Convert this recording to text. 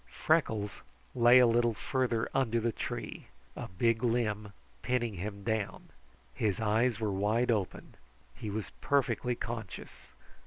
Freckles lay a little farther under the tree, a big limb pinning him down. His eyes were wide open. He was perfectly conscious.